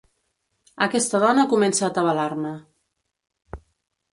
Aquesta dona comença a atabalar-me.